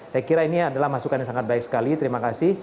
saya kira ini adalah masukan yang sangat baik sekali terima kasih